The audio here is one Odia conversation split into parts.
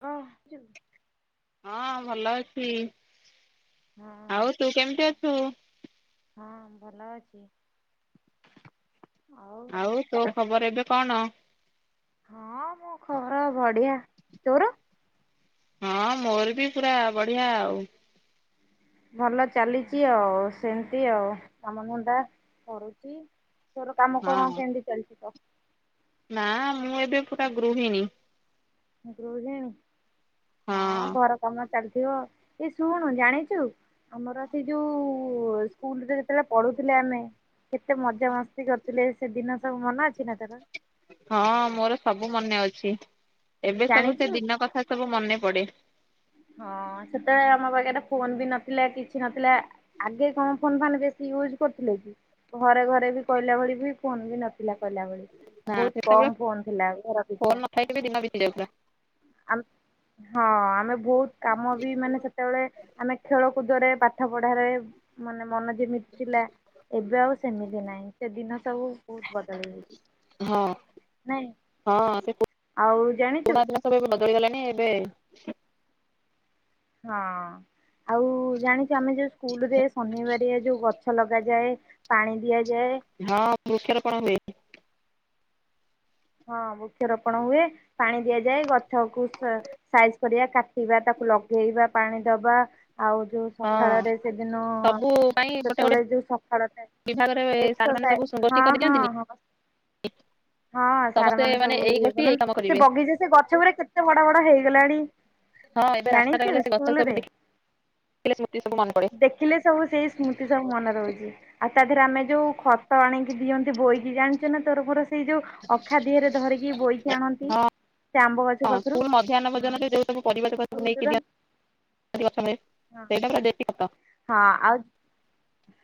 ଓ ହଁ ଭଲ ଅଛି। ହଁ ଆଉ ତୁ କେମିତି ଅଛୁ? ହଁ ଭଲ ଅଛି ଆଉ ଆଉ ତୋ ଖବର ଏବେ କଣ? ହଁ ମୋ ଖବର ବଢିଆ ତୋର ହଁ ମୋର ବି ପୁରା ବଢିଆ ଆଉ। ଭଲ ଚାଲିଛି ଆଉ ସେମତି ଆଉ କାମଧନ୍ଦା କରୁଛି। ତୋର କାମ କଣ ହଁ କେମିତି ଚାଲିଛି ତ ନା ମୁଁ ଏବେ ପୁରା ଗୃହିଣୀ। ରହୁଛିଣ ହଁ ଘର କାମ ଚାଲିଥିବ ଏ ଶୁଣୁ ଜାଣିଛୁ ଆମର ସେଇ ଯୋଉ ସ୍କୁଲରେ ଯେତେବେଳେ ପଢୁଥିଲେ ଆମେ କେତେ ମଜା ମସ୍ତି କରିଥିଲେ ସେ ଦିନ ସବୁ ମନ ଅଛି ନା ତାର ହଁ ମୋର ସବୁ ମନେ ଅଛି ଏବେ ସବୁ ସେ ଜାଣିଛୁ? ଦିନ କଥା ସବୁ ମନେ ପଡେ। ହଁ ସେତେବେଳେ ଆମ ପାଖରେ ଫୋନ ବି ନଥିଲା କିଛି ନଥିଲା। ଆଗେ କଣ ଫୋନ ମାନେ ବେଶୀ ୟୁଜ କରିୁଥିଲେ କି ଘରେ ଘରେ ବି କହିଲା ଭଳି ବି ଫୋନ ବି ନଥିଲା। ଥିଲା କିଲା ଭ ନା ବହୁତ ସେତେବେଳେ କମ ଫୋନ ଥିଲା ଘର ଫୋନ ପିଛା। ନଥାଏ କେବେ ଦିନ ବିତି ଯାଉଥିଲା ଆ ହଁ ଆମେ ବହୁତ କାମ ବି ମାନେ ସେତେବେଳେ ଆମେ ଖେଳକୁଦରେ ପାଠ ପଢାରେ ମାନେ ମନ ଯେମିତି ଥିଲା ଏବେ ଆଉ ସେମିତି ନାହିଁ ସେ ଦିନ ସବୁ ବହୁତ ବଦଳିଇଛି। ହଁ ନାଇଁ ହଁ ସେ ଆଉ ଜାଣିଛୁ ପୁରୁଣା ଦିନ ସବୁ ଏବେ ବଦଳିଗଲାଣି ଏବେ ହଁ ଆଉ ଜାଣିଛୁ ଆମେ ଯୋଉ ସ୍କୁଲ ରେ ଶନିବାରଆ ଯୋଉ ଗ ଛ ଲଗାଯାଏ ପାଣି ଦିଆଯାଏ ହଁ ବୃକ୍ଷ ରୋପଣ ହୁଏ। ହଁ ବୃକ୍ଷରୋପଣ ହୁଏ ପାଣି ଦିଆଯାଏ ଗଛ କୁ ସ୍ ସାଇଜ କରିବା କାଟିବା ତାକୁ ଲଗେଇବା ପାଣି ଦବା ଆଉ ଯୋଉ ହଁ ସକାଳରେ ସେଦିନ ସବୁ ପାଇଁ ଗୋଟେ ଗୋଟେ ସେତେବେଳେ ଯୋଉ ସକାଳ ଥାଏ ବିଭାଗରେ ସାର୍ ମାନେ ସବୁ ଏକ୍ସସାଇ ଗୋଷ୍ଠୀ ହଁ ହଁ କରିଦିଅନ୍ତିନି ହଁ। ହଁ ସାର ସମସ୍ତେ ମାନେ ସବୁ ଏଇ ଇଏ ଗୋଷ୍ଠୀ ଏଇ କରନ୍ତି କାମ ସେ କରିବେ ବଗିଚା ସେ ଗଛ ଗୁଡ଼ା କେତେ ବଡ ବଡ ହେଇଗଲାଣି। ହଁ ଏବେ ଜାଣିଛୁ ରାସ୍ତାରେ ଗଲେ ସେ ଗଛ ସବୁ ସ୍କୁଲରେ ଦେଖିଲେ ସ୍ମୃତି ସବୁ ମନେ ପଡେ। ଦେଖିଲେ ସବୁ ସେଇ ସ୍ମୃତି ସବୁ ମନେ ରହୁଛି ଆଉ ତା ଦେହରେ ଆମେ ଯୋଉ ଖତ ଆଣିକି ଦିଅନ୍ତି ବୋହିକି ଜା ତୋର ମୋର ସେଇ ଯୋଉ ଅଖା ଦିହରେ ଧରିକି ବହିକି ଆଣନ୍ତି। ହଁ ସେ ଆମ୍ବ ଗଛ ହଁ ପାଖରୁ। ସ୍କୁଲ ମଧ୍ୟାହ୍ନ ହଁ। ଭୋନରେ ଯେଉଁ ସବୁ ପରିବା ତକ ନେଇକି ସ୍କୁଲର ଦି। ଆିକ ସମୟ ହଁ ସେଇଟା ଦେଶୀ ଖତ। ହଁ ଆଉ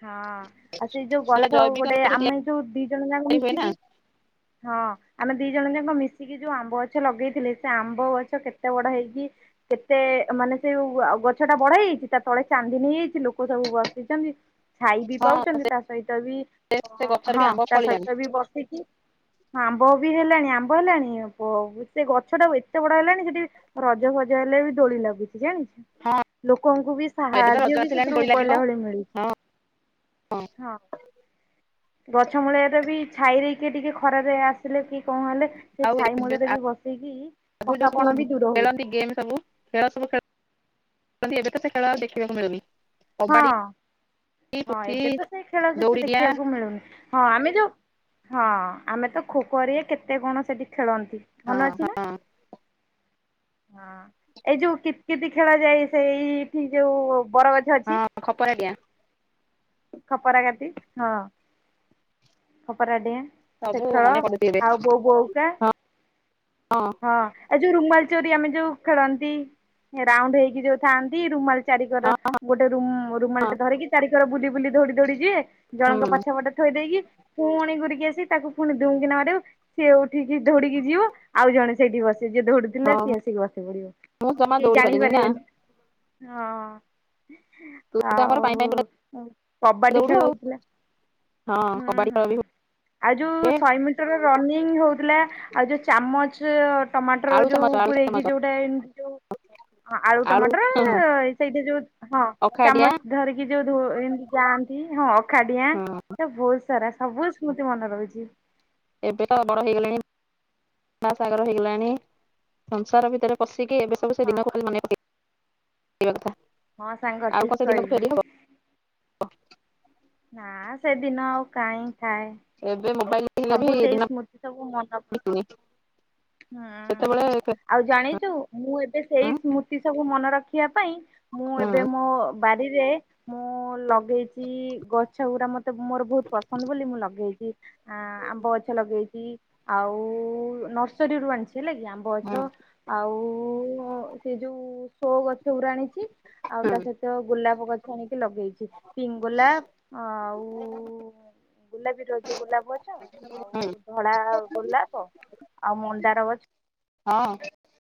ହଁ ଆଉ ସେଇ ଯୋଉ ସେଇଟା ଗଛ ଜୈବିକ ଗୋଟେ ରୂପରେ ଆମେ ଯୋଉ ଦି ଜଣ ଯାକ ତିଆରି ହୁଏ ନା ମିଶିକି ହଁ। ଆମେ ଦି ଜଣ ଯାକ ମିଶିକି ଯୋଉ ଆମ୍ବ ଗଛ ଲଗେଇଥିଲେ ସେ ଆମ୍ବ ଗଛ କେତେ ବଡ ହେଇକି କେତେ ମାନେ ସେଇ ଗଛ ଟା ବଡ ହେଇଯାଇଚି ତା ତଳେ ଚାନ୍ଦିନି ହେଇ କିଛି ଲୋକ ସବୁ ବସିଛନ୍ତି। ଛାଇ ବି ହଁ ପାଉଛନ୍ତି ତା ସହିତ ବି ସେ ଗଛରେ ବି ହଁ ଆମ୍ବ ତା ଫଳିଲାଣି ସହିତ ବି ବସିକି ହଁ ଆମ୍ବ ବି ହେଲାଣି ଆମ୍ବ ହେଲାଣି ପ ସେ ଗଛ ଟା ଏତେ ବଡ ହେଲାଣି ସେଠି ରଜ ଫଜ ହେଲେ ବି ଦୋଳି ଲାଗୁଛି ଜାଣିଚୁ ହଁ ଲୋକଙ୍କୁ ବି ଏବେ ତ ରଜ ସାହାଯ୍ୟ ବି ସେ ଆସିଲାଣି ରୁ ଦୋଳି ଲାଗିବ କଇଲା ଭଳିଆ ମିଳୁଚି ହଁ ହଁ। ଗଛ ମୂଳଆରେ ବି ଛାଇ ଦେଇକି ଟିକେ ଖରାରେ ଆସିଲେ କି କଣ ହେଲେ ସେ ଆଉ ଛାଇ ଏବେ ମୂଳରେ ବି ବସିକି ଆଗରୁ ଯୋଉ ସବୁ ଥକାପଣ ବି ଦୂର ହଉଛି ଖେଳନ୍ତି ଗେମ୍ ସବୁ ଖେଳ ସବୁ ଖେ ଏବେ ତ ସେ ଖଳା ଆଉ ଦେଖିବାକୁ ମିଳୁନି। ହଁ କବାଡି ହଁ ପୁଚି ଏବେ ତ ସେଇ ଖେଳ କିଛି ଦୌଡି ଡିଆଁ ଦେଖିବାକୁ ମିଳୁନି। ହଁ ଆମେ ଯୋଉ ହଁ ଆମେ ତ ଖୋଖୋ ହେରିକା କେତେ କଣ ସେଠି ଖେଳନ୍ତି। ହଁ ମନ ଅଛି ନା? ହଁ ହଁ ଏଇ ଯୋଉ କିତ୍ କିତି ଖେଳ ଯାଏ ସେଇଠି ଯୋଉ ବରଗଛ ଅ ହଁ ଖପର ଡିଆଁ ଖପରା କାତି ହଁ ଖପରା ଡିଆଁ। ସବୁ ଶେଖଳ ମନେ ପଡୁଛି ଏବେ ଆଉ ବୋଉ ବଉକା। ହଁ ହଁ। ହଁ ଆଉ ଯୋଉ ରୁମାଲ ଚୋରି ଆମେ ଯୋଉ ଖେଳନ୍ତି ରାଉଣ୍ଡ ହେଇକି ଯୋଉ ଥାଆନ୍ତି ରୁମାଲ ଚାରିକର ହଁ ଗୋଟେ ରୁମ ରୁମାଲ ହଁ ଟେ ଧରିକି ଚାରିିକର ବୁଲି ବୁଲି ଦଉଡି ଦଉଡି ଯିଏ ହୁଁ ଜଣଙ୍କ ପଛ ପଟେ ଥୋଇ ଦେଇକି ପୁଣି ଘୁରିକି ଆସିିକି ତାକୁ ପୁଣି ଦୁମ୍ଙ୍କିନା ବାଡେଇବ ସିଏ ଉଠିକି ଧୌଡିକି ଯିବ ଆଉ ଜଣେ ସେଠି ବସିବ ଯିଏ ଦୌଡୁଥିଲା ହଁ ସିଏ ଆସିକି ବସି ପଡିବ ମୁଁ ଜମା କେହି ଦୌଡି ଜାଣି ପାରିନି ନା ପାରିବେନି। ହଁ। ତୁ ତ ଆମର ଆଉ ପାଇଁ ପାଇଁଁତୁ ଟା କବାଡି ଖେଳଥିଲା ହଁ ହୁଁ କବାଡି ହୁଁ ଖେଳ ବି ଆଉ ଯୋଉ ହୁଏ ଶହେ ମି ଟିର ରନିଙ୍ଗ ହଉଥିଲା ଆଉ ଯୋଉ ଚାମଚ ଟମାଟର ଆଳୁ ଚାମଚ ଯୋଉ ଆଳୁ ପୂରେଇକି ଚାମଚ ଯୋଉଟା ଏମତି ଯୋଉ ହଁ ଆଳୁ ଟମାଟର ହଁ ହଁ ସେଇଠି ଯୋଉ ହଁ ଅଖାଡିଆ ଚାମଚ ଧରିକି ଯୋଉ ଧୋ ଏମତି ଯାଆନ୍ତି ହଁ ଅଖାଡିଆଁ। ହଁ ଏ ବୋହୁତ ସାରା ସବୁ ସ୍ମୃତି ମନେ ରହୁଚି। ଏବେ ତ ବଡ ହେଇଗଲେଣି। ବାହାସାହାଘର ହେଇଗଲାଣି ସଂସାର ଭିତରେ ପଶିକି ଏବେ ସବୁ ସେ ହଁ ଦିନକୁ ବି ମନେ ପକେଇବା କଥା। ହଁ ସାଙ୍ଗ ଆଉ ଠିକ୍ କଣ ସେ ଦିନକୁ କହିଲୁ। ଫେରି ହବ ନାଁ ସେ ଦିନ ଆଉ କାଇଁ, କାଇଁ ଏବେ ମୋବାଇଲ ହେଲେ ବି ସବୁ ସେଇ ଦିନ ସ୍ମୃତି ସବୁ ମନର ବିତୁନି ପଡୁ [inaudible] ସେତେବେଳେ ହୁଁ। ଆଉ ଜାଣିଚୁ ମୁଁ ଏବେ ସେଇ ହଁ ସ୍ମୃତି ସବୁ ମନେ ରଖିବା ପାଇଁ ମୁଁ ହଁ ଏବେ ମୋ ବାରିରେ ମୁଁ ଲଗେଇଚି ଗଛ ଗୁଡାଗୁରା ମ ତେ ମୋର ବୋହୁତ ପସନ୍ଦ ବୋଲି ମୁଁ ଲଗେଇଚି ଆ- ଆମ୍ବ ଗଛ ଲଗେଇଚି। ଆଉ ନର୍ସରୀରୁୁ ଆଣିଚି ହେଲା କି ଆମ୍ବ ହଁ ଗଛ। ଆଉ ସେ ଯୋଉ ସୋ ଗଛଗୁରା ଆଣିଚି। ଆଉ ତା ହଁ ସହିତ ଗୋଲାପ ଗଛ ଆଣିକି ଲଗେଇଚି। ପିଙ୍ଗ ଗୋଲାପ ଆଉ ଗୋଲାପୀର ଯୋଉ ଗୋଲାପ ଗଛ ଆଉ ଧଳା ଗୋଲାପ ଆଉ ମନ୍ଦାର ଗ ହଁଅ।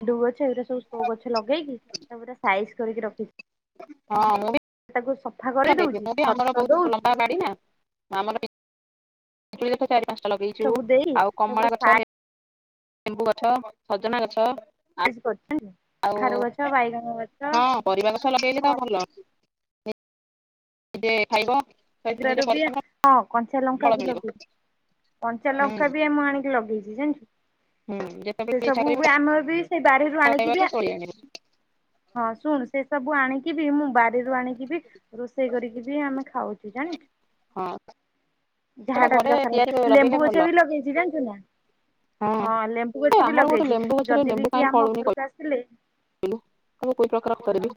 ଗେଣ୍ଡୁ ଗଛ ଏଇରା ସବୁ ସୋ ଗଛ ଲଗେଇକି ତାକୁ ପୁରା ସାଇଜି କରିକି ରଖି ହଁ ମୁଁ ବି। ହେଟା କୁ ସ ଲଗେଇଦିଏ। ମୁଁ ବି ଆମର ବୋହୁତ ଲମ୍ବା ବାଡି ନା ଆମର ପି-ପିଜୁଳି ଗଛ ଚାରି ପା ଗଛ ଲଗେଇଚ ସବୁ ଦେଇ ଆଉ ତାକୁ ପୁରା କମଳା ଗଛ, ସାଇଜ ଲେ-ଲେମ୍ବୁ ଗଛ, ସଜନା ଗଛ [unintelligible] ଆଜି କରୁଚନ୍ତି ଆଉ କଖାରୁ ଗଛ, ବାଇଗଣ ଗଛ ହଁ ପରିବା ଗଛ ଲଗେଇଲେ ତ ଫ ଏଇଥିରେ [unintelligible] ଖାଇବ। ନିଜେ ପରିଶ୍ରମ [unintelligible] ହଁ କଞ୍ଚା ଲଙ୍କା ଫଳ ବି ମିଳିବ ଲଗେଇ କଞ୍ଚା ହୁଁ ଲଙ୍କା ବି ମୁଁ ଆଣିକି ଲଗେଇଚି ଜାଣିଚୁ। ହୁଁ ସେ ଯେତେବେଳେ ଇଚ୍ଛା ସବୁ କରିବ ବି ଆମର ବି ସେଇ ବାରିରୁ ପଖାଳ ଆଣିକି ବି ଖାଇବାକୁ ଆ ତୋଳି ଆଣିବ ହଁ ଶୁଣ ସେ ସବୁ ଆଣିକି ବି ମୁଁ ବାରିରୁ ଆଣିକି ବି ରୋଷେଇ କରିକି ଦିଏ ଆମେ ଖାଉ। ତୁ ହଁ ଜାଣିଚୁ ସେଟା ଯାହାଟା ଘରେ ଦରକାର ତିଆରି କରି ହବ। ଲେମ୍ବୁ ଲଗେଇଲେ ଗଛ ଭଲ ବି ଲଗେଇଚି ଜାଣିଚୁ ନା। ହଁ ଲେମ୍ବୁ ଏ ଗଛ ବି ଆମର ଗୋଟେ ଲଗେଇଚି। ଲେମ୍ବୁ ଯଦି ବି କିଏ ଆମ ଘରକୁ ଆସିଲେ। ବନ୍ଧୁ [unintelligible] କୋଉ କୋଉ ପ୍ରକାର କରିବି।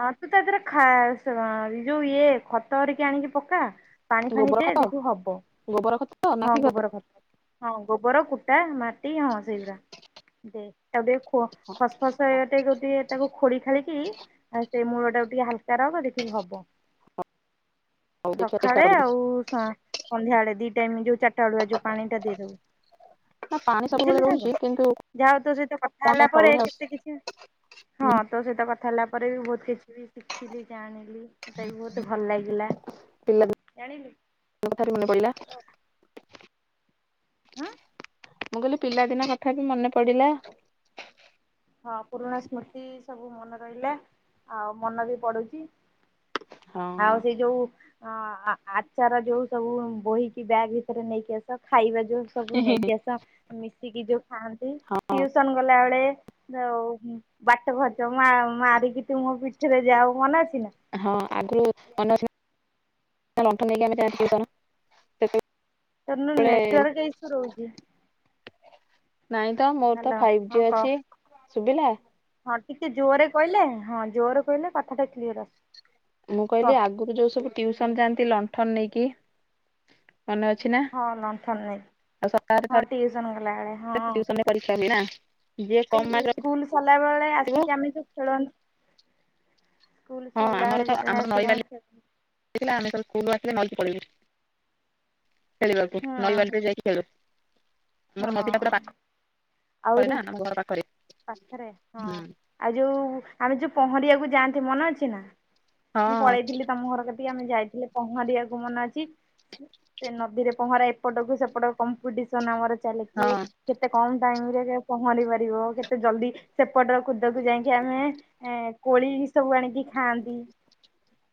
ଆଁ ତୁ ତା ଦେହରେ ଖା ସୋ ଯୋଉ ଇଏ ଖତ ହେରିକା ଆଣିକି ପକା। ପାଣି ଫାଣି ଗୋବର ଦେ ଖତ ଦେଖିବୁ ହବ। ଗୋବର ଖତ ତ? ହଁ ଗୋବର ଖତ। ହଁ ଗୋବର, କୁଟା, ମାଟି ହଁ ସେଇଗୁରା। ଦେ ତାକୁ ଟିକେ ଖୋ ଫସ୍ ଫସ୍ ସେ [unintelligible] ତାକୁ ଖୋଳି ଖାଳିକି ଆଉ ସେଇ ମୂଳଟା କୁ ଟିକେ ହାଲକା ରହିବ ଦେଖିବୁ ହବ। ହଉ ଦେଖିବା ଚେଷ୍ଟା ସକାଳେ କରିବି ଆଉ ସ-ସନ୍ଧ୍ୟାବେଳେ ଦି ଟାଇମ୍ ଯୋଉ ଚାରିଟା ବେଳୁଆ ଯୋଉ ପାଣିଟା ଦେଇଦୋବୁ। ନା ପାଣି ସବୁବେଳେ ବୁଝିଲୁ ସାଙ୍ଗ? ରହୁଛି କିନ୍ତୁ ଯାହ ହୋଉ ତୋ ସହିତ କଥା କଣ ହେଲା ପାଇଁ ପରେ ଫଳୁନି ଆଉ କେତେ କିଛି ହଁ ତ ଉଁ ତୋ ସହିତ କଥା ହେଲା ପରେ ବି ବୋହୁତ କିଛି ବି ଶିଖିଲି ଜାଣିଲି ଏଟା [unintelligible] ବି ବୋହୁ ତ ଭଲ ଲାଗିଲା। ଜାଣିଲୁ। ତୋ କଥାରୁ ମନେ ପ‌ଇଲା। ହଁ ମୁଁ କହିଲି ପିଲାଦିନ କଥା ବି ମନେ ପଡ଼ିଲା। ହଁ ପୁରୁଣା ସ୍ମୃତି ସବୁ ମନେ ରହିଲା ଆଉ ମନ ବି ପଡୁଚି। ହଁ ଆଉ ସେ ଯୋଉ ହଁ ଆ ଆଚାର ଯୋଉ ସବୁ ବୋହିକି ବ୍ୟାଗ ଭିତରେ ନେଇକି ଆସ ଖାଇବା ଯୋଉ ସବୁ ନେଇକି ଆସ ମିଶିକି ଯୋଉ ଖାଆନ୍ତି ଟିଉସନ ଗଲା ବେଳେ ଆଉ ବାଟ ଖର୍ଚ୍ଚ ମା ମାରିକି ତୁ ମୋ ପିଠରେ ଯାଅ ମନେ ଅଛି ନା। [unintelligible] ତୋର ନ ସେତେବେଳେ ନେଟୱାର୍କ ଇସୁ ରହୁଚି। ନାଇଁ ତ ମୋର ତ ହ୍ୟାଲୋ ଫାଇଭ୍ ହଁ ଜି କହ। ଅଛି ଶୁବିଲା। ହଁ ଟିକେ ଜୋରରେ କହିଲେ ହଁ ଜୋରରେ କହିଲେ କଥାଟା କ୍ଲିଅର ଆସ ମୁଁ କହିଲି ଆଗରୁ ଯୋଉ ସବୁ ଟିଉସନ ଯାଆନ୍ତି ଲଣ୍ଠନ ନେଇକି। ମନେ ଅଛି ନା ହଁ ଲଣ୍ଠନ ନେଇକି ଆଉ ସକାଳେ ହଁ ଟିଉସନ ଗଲାବେଳେ ହଁ ଥରେ ଟିଉସନ ରେ [unintelligible] କମ୍ ଏଇ ମାର୍କ ସ୍କୁଲ ସଲା ବେଳେ ରଖିଥିବ ଆସିକି ଆମେ ଯୋଉ ଖେଳନ୍ତି। ସ୍କୁଲ ସରିଲା ବେଳେ ଯେତେବେଳେ ଆସିକି ଆମେ ଦେ ଆମେ ସବୁ ସ୍କୁଲ ଆସିଲେ ନଇ କୁ ପଳେଇବୁ ଖେଳିବାକୁ ନଇ ହୁଁ ବାଲିରେ ଯାଇକି ଖେଳୁ। ଆମର ନଦୀ ଟା ପୁରା ହଁ ପାଖରେ ଆହୁରି ନା ଆମ ଘର ପାଖରେ ପାଖରେ ହଁ ହୁଁ। ଆଉ ଯୋଉ ଆମେ ଯୋଉ ପହଁରିବାକୁ ଯାଆନ୍ତି ମନେ ଅଛି ନା ହଁ ମୁଁ ପଳେଇଥିଲି ତମ ଘର କତିକି ଆମେ ଯାଇଥିଲେ ପହଁରିବାକୁ ମନେ ଅଛି। ସେ ନଦୀରେ ପହଁରା ଏପଟକୁ ସେପଟ କମ୍ପିଟିସନ ଆମର ହଁ ଚାଲିଚି କେତେ କମ ଟାଇମ ରେ ପହଁରି ପାରିବ କେତେ ଜଲଦି ସେପଟ କୁଦକୁ ଯାଇକି ଆମେ ଏ କୋଳି ସବୁ ଆଣିକି ଖାଆନ୍ତି।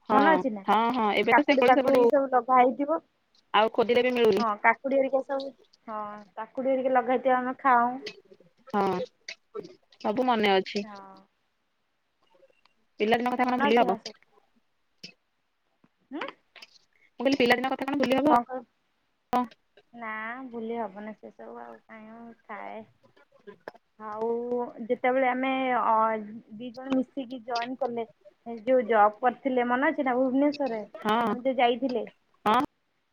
ହଁ ମନେ ଅଛି ନା ହଁ ହଁ ଏବେ ତ ସେ କାକୁଡି କୋଳି ପାକୁଡି ସବୁ ଲଗା ହେଇଥିବ। ଆଉ ଖୋଜିଲେ ବି ମିଳୁନି। ହଁ କାକୁଡି ଘରିକା ସବୁ ହଁ କାକୁଡି ଘରିକା ଲଗାହେଇଥିବ ଆମେ ଖାଉଁ। ହଁ ସବୁ ମନେ ଅଛି। ହଁ। ପିଲାଦିନ କଥା କଣ ମନେ ଭୁଲି ଅଛି ନା ହବ। ସବୁ? ହୁଁ। ମୁଁ କହିଲି ପିଲା ଦିନ କଥା କଣ ଭୁଲି ହବ। ହଁ ନା ଭୁଲି ହବନି ସେ ସବୁ ଆଉ। [unintelligible] ଥାଏ ଆଉ ଯେ ସେତେବେଳେ ଆମେ ଅ ଦି ଜଣ ମିଶିକି ଜଏନ୍ କଲେ ଯୋଉ ଜବ୍ କରିଥିଲେ ମନେ ଅଛି। ଭୁବନେଶ୍ଵରରେ ଆମେ ଯୋଉ ଯାଇଥିଲେ। ହଁ।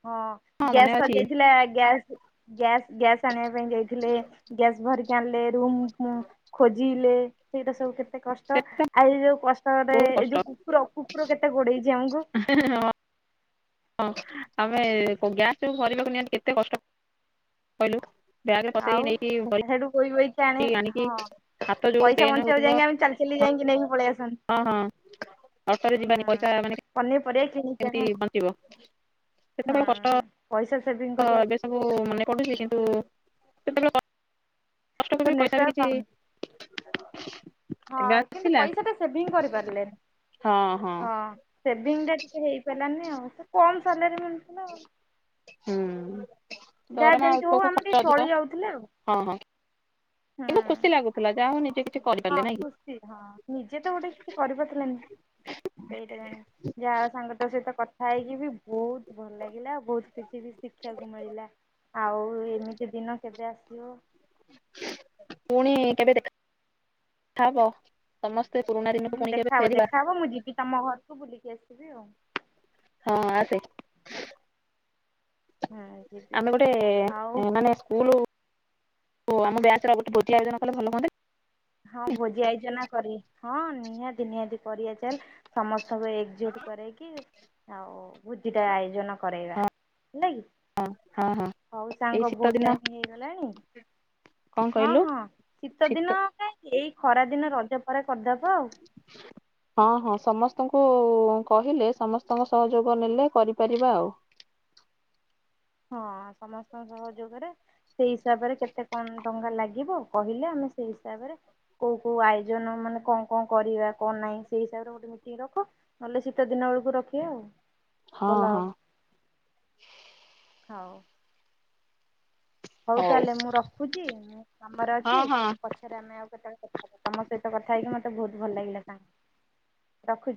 ହଁ ଗ୍ୟାସ୍ ମନେ ସରି ଅଛି ଯାଇଥିଲା ଗ୍ୟାସ୍ ଗ୍ୟାସ୍ ଗ୍ୟାସ୍ ଆଣିବା ପାଇଁ ଯାଇଥିଲେ। ଗ୍ୟାସ୍ ଭରିକି ଆଣିଲେ ରୁମ ମ୍ ଖୋଜିଲେ ସେଇଟା ସବୁ କେତେ ସେ କଷ୍ଟ। ଆଉ ଯୋଉ କଷ୍ଟ କରେ ବହୁତ ଏଇ କଷ୍ଟ ଯୋଉ କୁକୁର କୁକୁର କେତେ ଗୋଡେଇଛି ଆମକୁ। [unintelligible] ହଁ ଆମେ ଗ୍ୟାସ ଯୋଉ ଭରିବାକୁ ନିଅନ୍ତି କେତେ କଷ୍ଟ କହିଲୁ। ବ୍ୟାଗରେ ପସେଇ ଆଉ ନେଇକି ସେଠୁ ବୋହି ବୋହି କି ଆଣି ଭରିକି ଆଣିକି ହଁ ହାତ ଯୋଉ ପଇସା ପେନ୍ ବଞ୍ଚେଇକୁ ହଉଥିବ ଯାଇକି ଆମେ ଚାଲି ଚାଲି ଚାଲି ଯାଇକି ନେଇକି ପଳେଇ ଆସନ୍ତି। ହଁ ହଁ ଅଟୋରେ ହୁଁ ଯିବାନି ପଇସା ମାନେ ପନିପରିବା କିଣି କେମତି ବଞ୍ଚିବ ସେତେବେଳେ କଷ୍ଟ ପଇସା ସେଭିଂ ହଁ କରିବା ଏବେ ସବୁ ମାନେ କଟୁଛି କିନ୍ତୁ ସେତେବେଳେ କଷ୍ଟ ତ କରିବି ପଇସା ବି ନେଟୱାର୍କ କିଛି ପାଉନି। ଏବେ ହଁ କିନ୍ତୁ ଆସିଲା ପଇସା ଟା ସେଭିଙ୍ଗ କରିପାରିଲେନି ହଁ ହଁ ହଁ ସେଭିଙ୍ଗ ଟା ଟିକେ ହେଇପାରିଲାନି ଆଉ ସେ କମ ସାଲେରୀ ମିଳୁଥିଲା ଆଉ ହୁଁ ଯାହା ଦରମା ଯେମିତି ହଉ ଅଳ୍ପକୁ ଆମେ ଖର୍ଚ୍ଚ ଟିକେ ଅଧିକ ଚଳି ଯାଉଥିଲେ ଆଉ ହଁ ହଁ ହୁଁ। କିନ୍ତୁ ଖୁସି ଲାଗୁଥିଲା ଯାହା ହଉ ନିଜେ କିଛି ହଁ କରିପାରିଲେ ନାଇଁ କି ଖୁସି ହଁ ନିଜେ ତ ଗୋଟେ କିଛି କରିପାରୁଥିଲେନି ସେଇଟା ଜାଣି ଯାହା ହଉ ସାଙ୍ଗ ତ ସହିତ କଥା ହେଇକି ବି ବହୁତ ଭଲ ଲାଗିଲା ଆଉ ବହୁତ କିଛି ବି ଶିଖିବାକୁ ମିଳିଲା ଆଉ ଏମିତି ଦିନ କେବେ ଆସିବ ପୁଣି କେବେ ଦେଖା ହବ ସମସ୍ତେ ପୁରୁଣା ଦିନକୁ ହୁଁ ପୁଣି କେବେ ଦେଖାହବ ଫେରିବା? ଦେଖାହବ ମୁଁ ଯିବି ତମ ଘରକୁ ବୁଲିକି ଆସିବି ଆଉ। ହଁ ଆସେ। ହୁଁ ଯିବି ଆମେ ଗୋଟେ ଆଉ ମାନେ ସ୍କୁଲ। ଆମ ବ୍ୟଚ ର ଗୋଟେ ଭୋଜି ଆୟୋଜନ କଲେ ଭଲ ହୁଅନ୍ତାନି। ହଁ ଭୋଜି ଆଇଜନା କରି ହଁ ନିହାତି ନିହାତି କରିବା ଚାଲ। ସମସ୍ତଙ୍କୁ ଏକଜୁଟ କରେଇକି, ଆଉ ଭୋଜି ଟା ଆୟୋଜନ କରେଇବା। ହେଲା କି, ହଁ ହଁ ହଉ ଏଇ ସାଙ୍ଗ ବୋହୁ ଶୀତ ତ୍ ଦିନ ଟାଇମ ହେଇଗଲାଣି। କଣ ହଁ କହିଲୁ ହଁ ଶୀତ ଦିନ କାଇଁ ଏଇ ଖରା ଦିନ ରଜ ପରେ କରିଦବା ଆଉ। ହଁ ହଁ ସମସ୍ତଙ୍କୁ କହିଲେ, ସମସ୍ତଙ୍କ ସହଯୋଗ ନେଲେ କରିପାରିବା ଆଉ। ହଁ ସମସ୍ତଙ୍କ ସହଯୋଗରେ। ସେଇ ହିସାବରେ କେତେ କଣ ଟଙ୍କା ଲାଗିବ କହିଲେ ଆମେ ସେଇ ହିସାବରେ। କୋଉ କୋଉ ଆୟୋଜନ ମାନେ କଣ କଣ କରିବା, କଣ ନାହିଁ ସେଇ ହିସାବରେ ଗୋଟେ। କି ରଖ ନହେଲେ ଶୀତ ଦିନ ବେଳକୁ ରଖିବା ଆଉ। ହଁ, ଭଲ ହଁ ଆଉ ହଉ ତାହେଲେ ମୁଁ ରଖୁଛି, ମୁଁ କାମରେ ଅଛି ହଁ ହଁ। ପଛେ। ରେ ଆମେ ଆଉ କେତେବେଳେ କଥା ତମ ସହିତ କଥା ହେଇକି ମତେ ବହୁତ ଭଲ ଲାଗିଲା, ସାଙ୍ଗ ରଖୁଛି।